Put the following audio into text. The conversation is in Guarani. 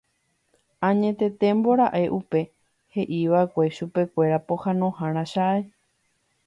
Añetetémbora'e upe he'iva'ekue chupekuéra pohãnohára chae.